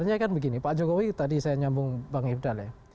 sebenarnya kan begini pak jokowi tadi saya nyambung bang ifdal ya